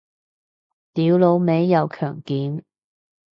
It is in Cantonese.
屌老味又強檢